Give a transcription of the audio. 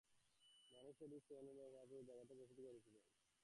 মানে শ্যাডি আর সানি তে ভাগ হওয়ার পূর্বে যে জায়গাতে বসতি গড়ে উঠেছিল।